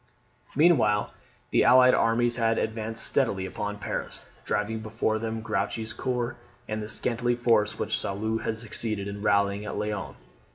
Meanwhile the allied armies had advanced steadily upon Paris, driving before them Grouchy's corps, and the scanty force which Soult had succeeded in rallying at Laon.